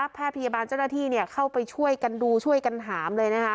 แพทย์พยาบาลเจ้าหน้าที่เข้าไปช่วยกันดูช่วยกันหามเลยนะคะ